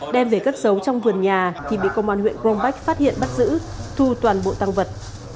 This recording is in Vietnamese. đem về cất giấu trong vườn nhà thì bị công an huyện crombakh phát hiện bắt giữ thu toàn bộ tăng vật